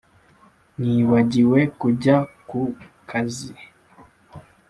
nibagiwe kujya kuka kazi.